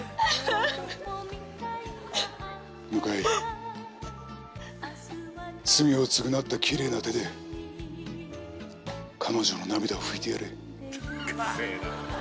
向罪をつぐなったキレイな手で彼女の涙を拭いてやれ。